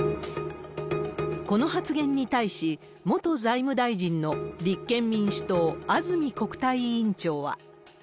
この発言に対し、元財務大臣の立憲民主党、安住国対委員長は。